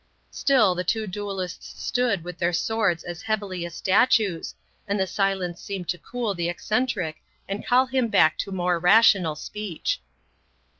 Still, the two duellists stood with their swords as heavily as statues, and the silence seemed to cool the eccentric and call him back to more rational speech.